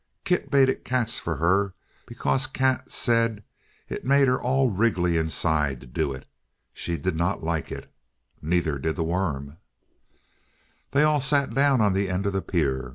Kit baited Kat's for her, because Kat said it made her all wriggly inside to do it. She did not like it. Neither did the worm! They all sat down on the end of the pier.